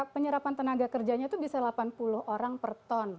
penyerapan tenaga kerjanya itu bisa delapan puluh orang per ton